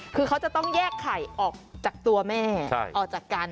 คือเขาจะต้องแยกไข่ออกจากตัวแม่ออกจากกัน